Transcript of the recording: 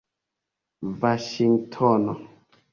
vaŝingtono